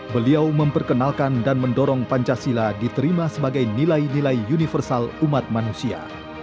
beliau memperkenalkan dan mendorong pancasila diterima sebagai nilai nilai universal umat manusia